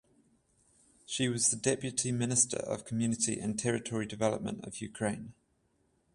She was the Deputy Minister of Community and Territory Development of Ukraine.